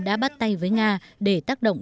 đã bắt tay với nga để tác động